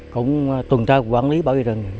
cũng tuần tra quản lý bảo vệ rừng